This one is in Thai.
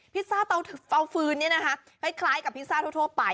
ซ่าเตาฟืนนี้นะคะคล้ายกับพิซซ่าทั่วไป